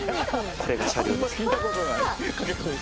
これが車両です。